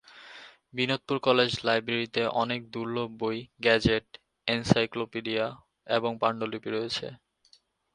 Binodpur college লাইব্রেরীতে অনেক দূর্লভ বই, গেজেট, এনসাইক্লোপিডিয়া এবং পাণ্ডুলিপি রয়েছে।